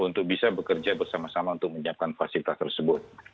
untuk bisa bekerja bersama sama untuk menyiapkan fasilitas tersebut